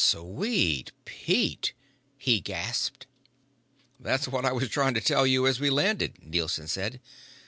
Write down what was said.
"Sweet Pete!" he gasped. "That's what I was trying to tell you as we landed," Nielson said.